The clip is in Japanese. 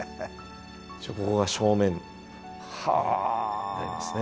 ここが正面になりますね。